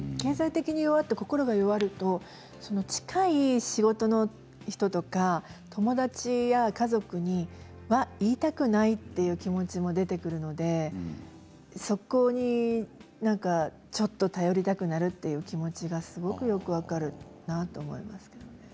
心が弱ると近い仕事の人とか友達や家族には言いたくないという気持ちも出てくるのでそこに何かちょっと頼りたくなるという気持ちがすごくよく分かるなと思います。